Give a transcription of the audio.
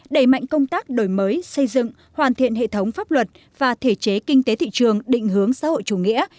đẩy mạnh công tác đổi mới xây dựng hoàn thiện hệ thống pháp luật và thể chế kinh tế thị trường định hướng xã hội chủ nghĩa